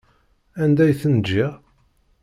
Anda i ten-ǧǧiɣ?